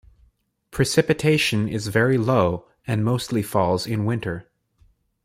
Precipitation is very low, and mostly falls in winter.